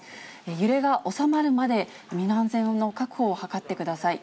揺れが収まるまで、身の安全をはかってください。